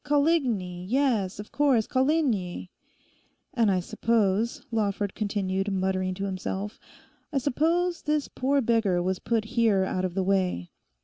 Coligny; yes, of course, Coligny. 'And I suppose,' Lawford continued, muttering to himself, 'I suppose this poor beggar was put here out of the way.